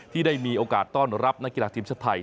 ที่ได้มีโอกาสต้อนรับนักกีฬาทีมชาติไทย